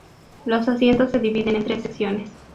Los asientos se dividen en tres secciones.